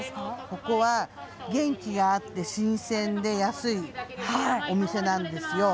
ここは、元気があって、新鮮で安いお店なんですよ。